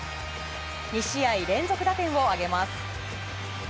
２試合連続打点を挙げます。